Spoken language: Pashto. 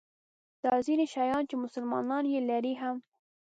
دا ځیني شیان چې مسلمانان یې لري هم.